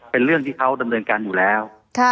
เป็นเรื่องที่เขาดำเนินการอยู่แล้ว